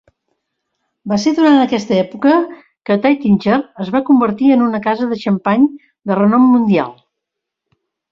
Va ser durant aquesta època que Taittinger es va convertir en una casa de xampany de renom mundial.